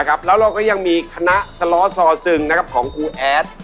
นะครับแล้วเราก็ยังมีคณะสลอสอสึงนะครับของกูแอด